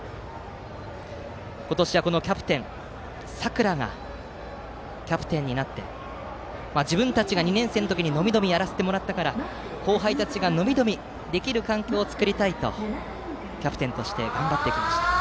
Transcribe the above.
今年は佐倉がキャプテンになって自分たちが２年生の時のびのびやらせてもらったから後輩たちが伸び伸びできる環境を作りたいとキャプテンとして頑張ってきました。